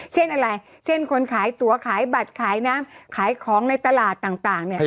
เช่นอะไรเช่นคนขายตัวขายบัตรขายน้ำขายของในตลาดต่างเนี่ย